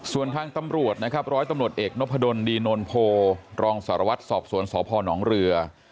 ส่วนทางตำรวจนะครับร้อยตำรวจเอกนพดลดีนนโพรองสารวัตรสอบสวนสพนเรือ